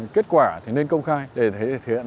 kết quả thì nên công khai để thể hiện